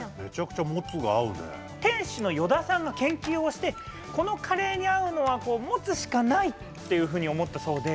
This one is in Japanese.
店主の依田さんが研究をしてこのカレーに合うのはモツしかない！っていうふうに思ったそうで。